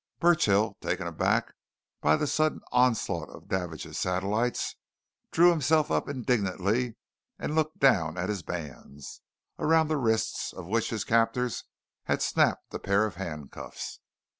Burchill, taken aback by the sudden onslaught of Davidge's satellites, drew himself up indignantly and looked down at his bands, around the wrists of which his captors had snapped a pair of handcuffs.